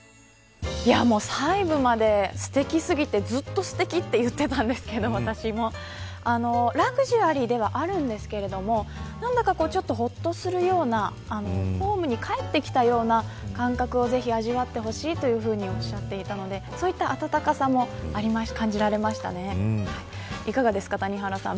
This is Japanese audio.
細部まですてきすぎてずっとすてきと言っていたんですけどラグジュアリーではあるんですけど何だかちょっとほっとするようなホームに帰ってきたような感覚をぜひ味わってほしいというふうにおっしゃっていたのでそういった温かさもありましたね。